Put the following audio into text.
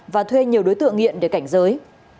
và thuê nhiều đối tượng nghiện để cảnh giới